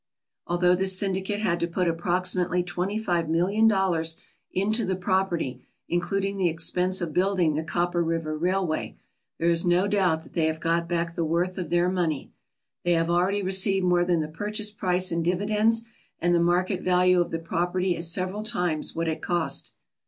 Although this syndicate had to put approximately twenty five million dollars into the property, including the expense of building the Copper River Railway, there is no doubt that they have got back the worth of their money. They have already received more than the purchase price in dividends, and the market value of the property is several times what it cost.